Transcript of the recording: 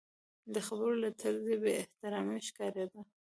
د خبرو له طرزه یې احترام ښکارېده.